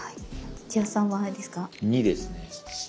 ２ですね。